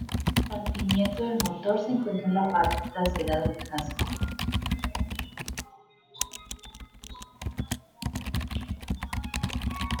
El compartimiento del motor se encuentra en la parte trasera del casco.